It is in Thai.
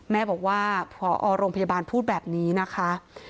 แม่บอกว่าพอโรงพยาบาลพูดแบบนี้นะคะ